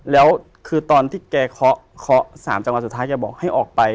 แล้วคือตอนที่แกเคาะเคาะ๓จังหวัดสุดท้ายแกบอกให้ออกไป